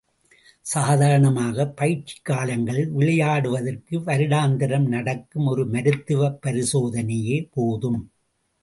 சாதாரணமாக பயிற்சி காலங்களில் விளையாடுவதற்கு வருடாந்திரம் நடக்கும் ஒரு மருத்துவ பரிசோதனையே போதும்.